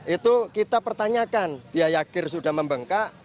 itu kita pertanyakan biaya kir sudah membengkak